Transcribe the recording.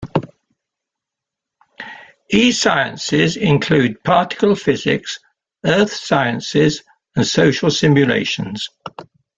E-sciences include particle physics, earth sciences and social simulations.